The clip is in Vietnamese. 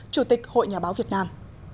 chủ tịch hội nhà báo việt nam